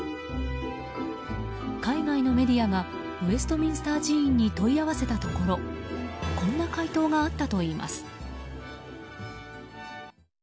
海外のメディアがウェストミンスター寺院に問い合わせたところこんな回答があったといいます。